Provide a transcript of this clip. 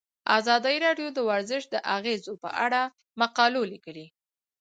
ازادي راډیو د ورزش د اغیزو په اړه مقالو لیکلي.